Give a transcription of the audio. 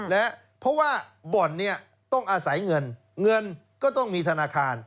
เพราะว่าบ่อนเนี่ยต้องอาศัยเงินเงินก็ต้องมีธนาคาร